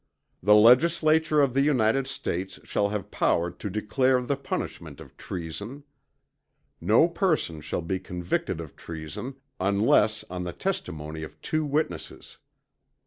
The Legislature of the United States shall have power to declare the punishment of treason. No person shall be convicted of treason, unless on the testimony of two witnesses.